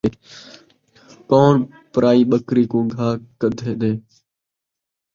کون پرائی ٻکری کوں گھا گھتین٘دے